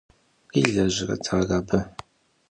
Къилэжьрэт ар абы?